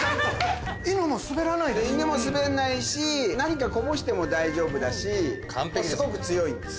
犬も滑んないし何かこぼしても大丈夫だしすごく強いんです。